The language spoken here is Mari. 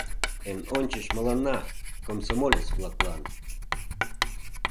Эн ончыч мыланна, комсомолец-влаклан!